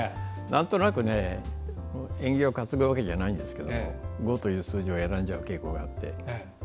なんとなく縁起を担ぐわけじゃないんですけど５という数字を選んじゃう傾向があって。